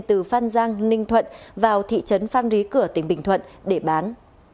từ phan giang ninh thuận vào thị trấn phan rí cửa tỉnh bình thuận để bán